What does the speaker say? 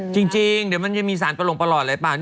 จริงเดี๋ยวมันจะมีสารตระลงตลอดหรือเปล่า